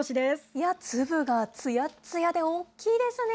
いやー、粒がつやっつやで、大きいですね。